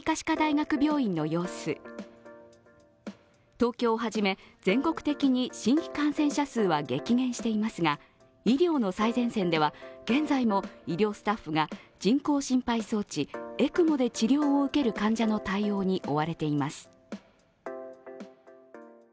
東京をはじめ、全国的に新規感染者数は激減していますが医療の最前線では現在も医療スタッフが人工心肺装置＝ＥＣＭＯで治療を受ける患者の対応に追われています。